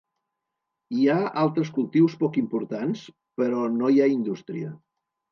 Hi ha altres cultius poc importants però no hi ha indústria.